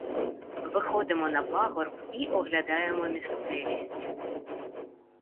Виходимо на пагорб і оглядаємо місцевість.